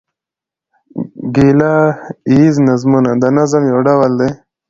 ګيله ييز نظمونه د نظم یو ډول دﺉ.